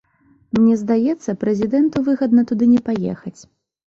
Мне здаецца, прэзідэнту выгадна туды не паехаць.